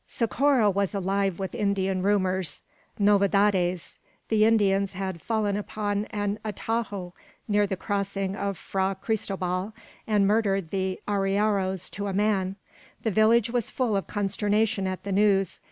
Socorro was alive with Indian rumours, "novedades." The Indians had fallen upon an atajo near the crossing of Fra Cristobal, and murdered the arrieros to a man. The village was full of consternation at the news.